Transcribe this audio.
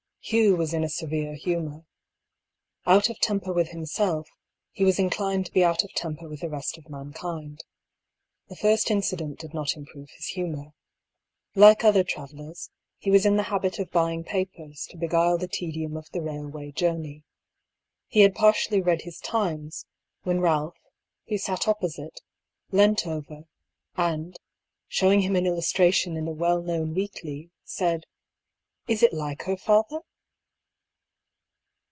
Hugh was in a severe humour. Out of temper with himself, he was inclined to be out of temper with the rest of mankind. The first incident did not improve his humour. Like other travellers, he was in the habit of buying papers, to beguile the tedium of the railway journey. He had partially read his Times^ when Ralph, who sat opposite, leant over, and, showing him an illustration in a well known weekly, said : "Is it like her, father?"